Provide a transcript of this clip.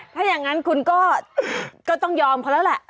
ถ้ายังงั้นคุณก็ต้องยอมเพราะอันแล้วละ